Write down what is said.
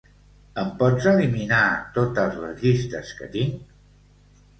Em pots eliminar totes les llistes que tinc?